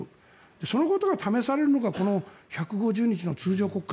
そのことが試されるのがこの１５０日の通常国会。